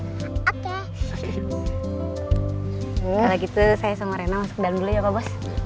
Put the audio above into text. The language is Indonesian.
kalau gitu saya sama rena masuk ke dalam dulu ya pak bos